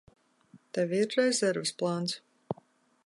Tev ir rezerves plāns?